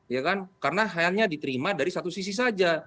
ya kan karena halnya diterima dari satu sisi saja